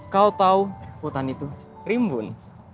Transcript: kau tahu hutan itu rimbun